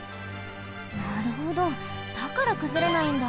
なるほどだからくずれないんだ。